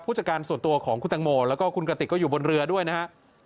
จัดการส่วนตัวของคุณตังโมแล้วก็คุณกระติกก็อยู่บนเรือด้วยนะครับ